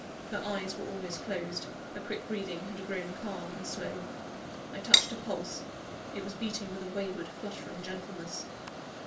Her eyes were almost closed; her quick breathing had grown calm and slow. I touched her pulse; it was beating with a wayward, fluttering gentleness.